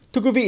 thưa quý vị